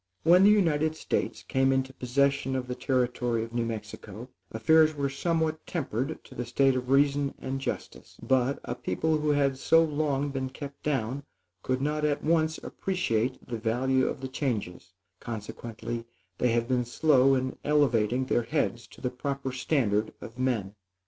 When the United States came into possession of the territory of New Mexico, affairs were somewhat tempered to the state of reason and justice; but, a people who had so long been kept down, could not at once appreciate the value of the changes; consequently, they have been slow in elevating their heads to the proper standard of men.